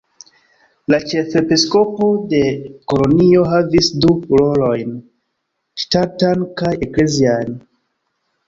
La ĉefepiskopo de Kolonjo havis du rolojn: ŝtatan kaj eklezian.